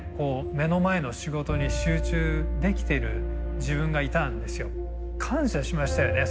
目の前の仕事に集中できてる自分がいたんですよ。感謝しましたよね